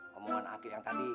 ngomongin akib yang tadi ya